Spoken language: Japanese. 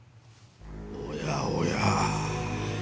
おやおや。